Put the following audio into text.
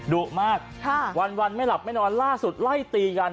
ดุมากวันไม่หลับไม่นอนล่าสุดไล่ตีกัน